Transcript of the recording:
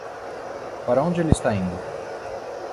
Para onde ele está indo?